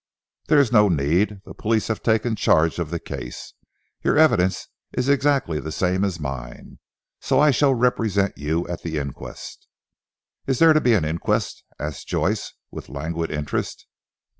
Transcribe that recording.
"There is no need. The police have taken charge of the Case. Your evidence is exactly the same as mine, so I shall represent you at the Inquest." "Is there to be an inquest?" asked Joyce with languid interest.